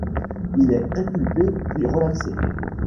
Il est inculpé puis relaxé.